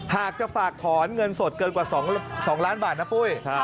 หากจะฝากถอนเงินสดเกินกว่า๒ล้านบาทนะปุ้ย